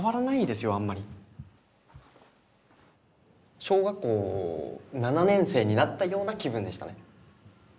小学校７年生になったような気分でしたね。